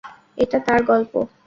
এটা তার গল্প।